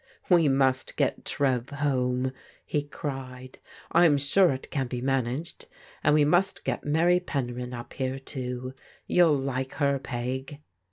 " We must get Trev home !" he cried. " I*m sure it can be managed — and we must get Mary Penryn up here, too. You'll like her. Peg."